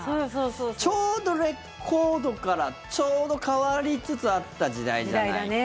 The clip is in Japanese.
ちょうどレコードからちょうど変わりつつあった時代じゃないか。